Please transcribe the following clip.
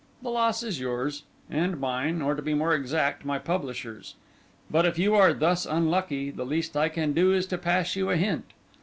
The loss is yours—and mine; or to be more exact, my publishers'. But if you are thus unlucky, the least I can do is to pass you a hint.